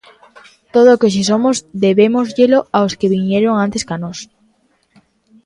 Todo o que hoxe somos debémosllelo aos que viñeron antes ca nós.